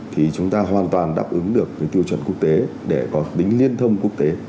thì chúng ta hoàn toàn đáp ứng được tiêu chuẩn quốc tế để có tính liên thông quốc tế